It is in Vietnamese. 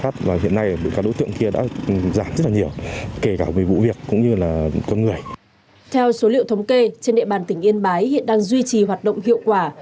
theo số liệu thống kê trên địa bàn tỉnh yên bái hiện đang duy trì hoạt động hiệu quả